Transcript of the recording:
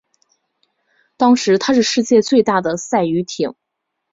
当时她是世界最大的赛渔艇。